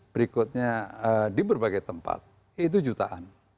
berikutnya di berbagai tempat itu jutaan